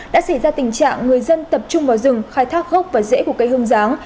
đã xảy ra tình trạng người dân tập trung vào rừng khai thác gốc và rễ của cây hương giáng